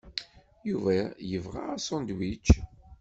Yuba yebɣa asandwič.